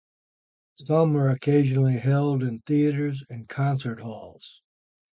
Some are occasionally held in theatres and concert halls.